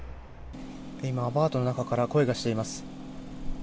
今アパートの中から声がします。